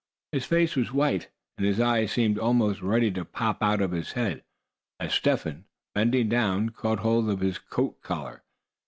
His fat face was white, and his eyes seemed almost ready to pop out of his head, as Step Hen, bending down, caught hold of his coat collar.